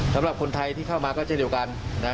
สำหรับคนไทยที่เข้ามาก็เช่นเดียวกัน